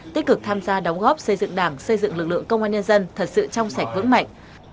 tích cực tham gia đóng góp xây dựng đảng xây dựng lực lượng công an nhân dân thật sự trong sạch vững mạnh